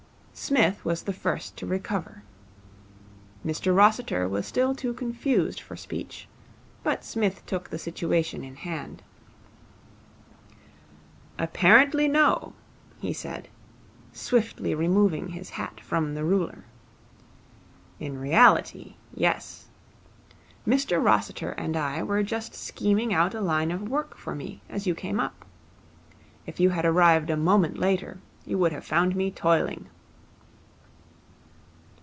Psmith was the first to recover. Mr Rossiter was still too confused for speech, but Psmith took the situation in hand. 'Apparently no,' he said, swiftly removing his hat from the ruler. 'In reality, yes. Mr Rossiter and I were just scheming out a line of work for me as you came up. If you had arrived a moment later, you would have found me toiling.'